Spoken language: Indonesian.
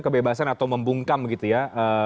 kebebasan atau membungkam gitu ya